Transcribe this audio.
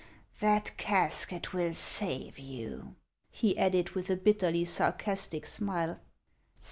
" That casket will save you," he added with a bit terly sarcastic smile.